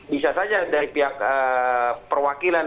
bisa saja dari pihak perwakilan